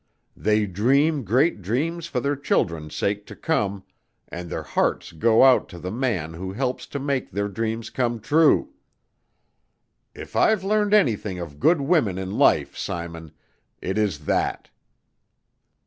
They dream great dreams for their children's sake to come, and their hearts go out to the man who helps to make their dreams come true. If I've learned anything of good women in life, Simon, it is that.